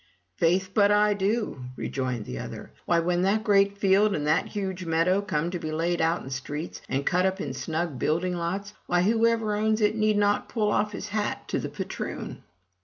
"Faith, but I do!" rejoined the other.— "Why, when that great field and that huge meadow come to be laid out in streets, and cut up into snug building lots — why, whoever owns it need not pull off his hat to the patroon!"